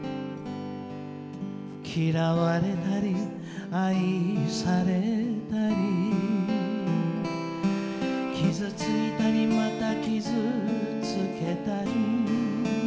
「嫌われたり愛されたり傷ついたりまた傷つけたり」